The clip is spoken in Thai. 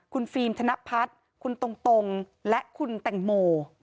คุณฟิล์มธนพัฒน์คุณตรงและคุณแตงโม